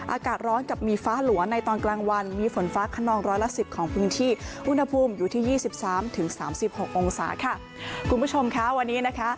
อากาศร้อยกับมีฟ้าหลวนในตอนกลางวัน